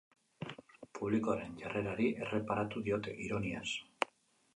Publikoaren jarrerari erreparatu diote, ironiaz.